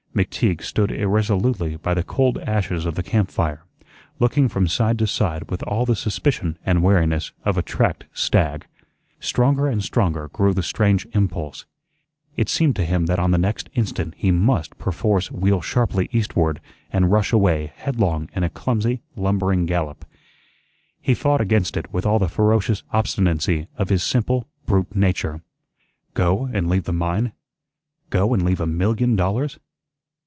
McTeague stood irresolutely by the cold ashes of the camp fire, looking from side to side with all the suspicion and wariness of a tracked stag. Stronger and stronger grew the strange impulse. It seemed to him that on the next instant he MUST perforce wheel sharply eastward and rush away headlong in a clumsy, lumbering gallop. He fought against it with all the ferocious obstinacy of his simple brute nature. "Go, and leave the mine? Go and leave a million dollars?